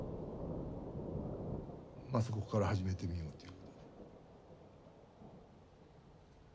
まあそこから始めてみようっていう。